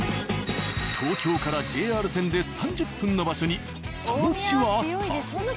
東京からＪＲ線で３０分の場所にその地はあった。